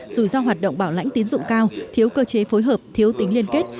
dù do hoạt động bảo lãnh tín dụng cao thiếu cơ chế phối hợp thiếu tính liên kết